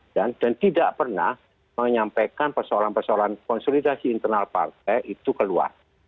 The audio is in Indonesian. dan tidak pernah menyampaikan persoalan persoalan konsolidasi internal pak lte itu keluar